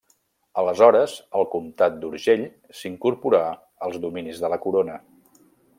Aleshores, el comtat d'Urgell s'incorporà als dominis de la Corona.